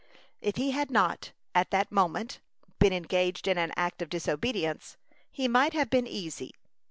If he had not, at that moment, been engaged in an act of disobedience, he might have been easy.